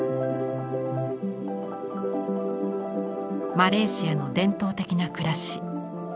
マレーシアの伝統的な暮らし。